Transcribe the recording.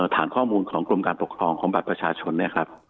ฐานข้อมูลของกรมการปกครองของบัตรประชาชนเนี่ยครับ